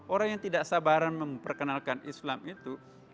orang yang tidak sabaran memperkenalkan islam itu